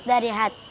menongeng itu menarik